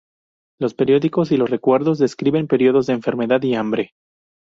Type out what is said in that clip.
Los periódicos y los recuerdos describen periodos de enfermedad y hambre.